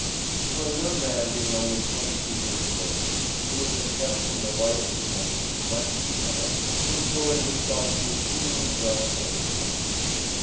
For a young man, being only twenty two years of age, who had been kept from the light of freedom, as much as he had, his story was thought to be exceedingly well told throughout.